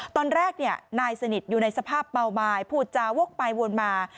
ตอนแรกนายสนิทอยู่ในสภาพเมาไม้พูดจาวกไปวนมา